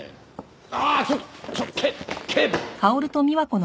あっちょっとちょっと警部殿！